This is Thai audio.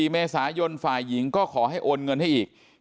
๔เมษายนฝ่ายหญิงก็ขอให้โอนเงินให้อีก